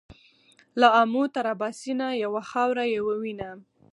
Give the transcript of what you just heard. له امو تر اباسينه يوه خاوره يوه وينه.